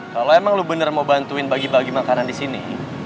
kalo emang lo bener mau bantuin bagi bagi makanan disini